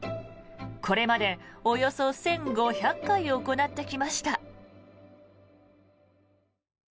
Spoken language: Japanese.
これまでおよそ１５００回行ってきました。